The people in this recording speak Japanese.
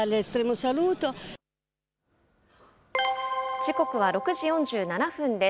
時刻は６時４７分です。